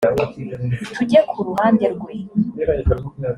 tujye ku ruhande rwe